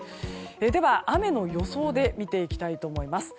では雨の予想で見ていきたいと思います。